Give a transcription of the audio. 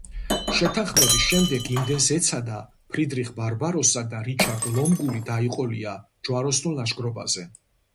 შეთანხმების შემდეგ იმდენს ეცადა, ფრიდრიხ ბარბაროსა და რიჩარდ ლომგული დაიყოლია ჯვაროსნულ ლაშქრობაზე.